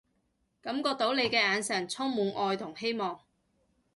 感覺到你嘅眼神充滿愛同希望